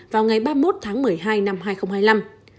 vào ngày ba mươi một tháng một mươi hai năm hai nghìn hai mươi năm